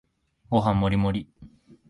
ご飯もりもり